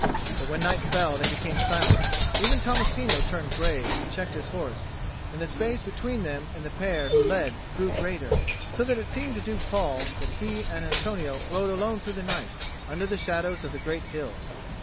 But when night fell they became silent; even Tommasino turned grave and checked his horse, and the space between them and the pair who led grew greater, so that it seemed to Duke Paul that he and Antonio rode alone through the night, under the shadows of the great hills.